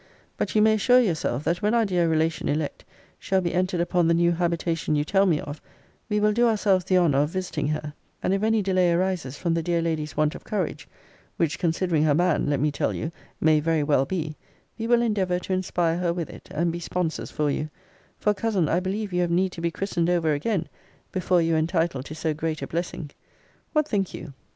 But you may assure yourself, that when our dear relation elect shall be entered upon the new habitation you tell me of, we will do ourselves the honour of visiting her; and if any delay arises from the dear lady's want of courage, (which considering her man, let me tell you, may very well be,) we will endeavour to inspire her with it, and be sponsors for you; for, cousin, I believe you have need to be christened over again before you are entitled to so great a blessing. What think you?